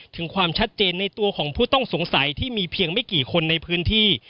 ถึงความชัดเจนในตัวของผู้ต้องสงสัยที่มีเพียงไม่กี่คนในพื้นที่